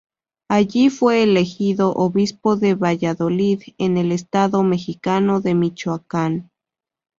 Allí fue elegido obispo de Valladolid, en el estado mexicano de Michoacán.